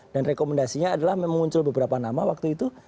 dan rekomendasinya adalah memang muncul beberapa nama waktu itu